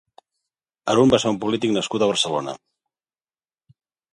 Harun va ser un polític nascut a Barcelona.